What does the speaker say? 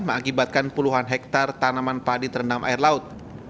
mengakibatkan puluhan hektare tanaman padi terendam air laut